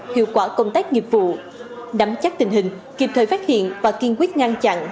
hiệu quả công tác nghiệp vụ nắm chắc tình hình kịp thời phát hiện và kiên quyết ngăn chặn